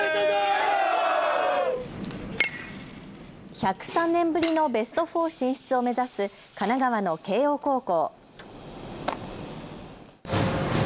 １０３年ぶりのベスト４進出を目指す神奈川の慶応高校。